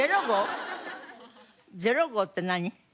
０号って何？